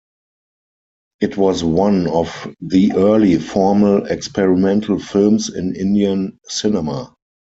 It was one of the early formal experimental films in Indian cinema.